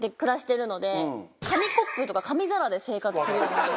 紙コップとか紙皿で生活するようになりました。